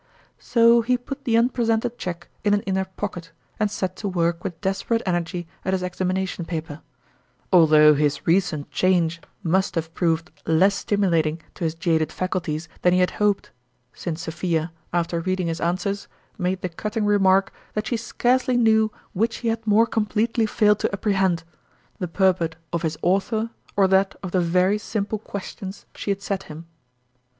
So he put the unpresented cheque in an in ner pocket, and set to work with desperate energy at his examination paper ; although his recent change must have proved less stimu lating to his jaded faculties than he had hoped, since Sophia, after reading his answers, made the cutting remark that she scarcely knew which he had more completely failed to apprehend the purport of his author, or that of the very simple questions she had set him.